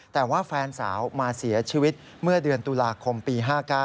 แต่ว่าแฟนสาวมาเสียชีวิตเมื่อเดือนตุลาคมปี๕๙